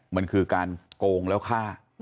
มันคือการโกงแล้วฆ่า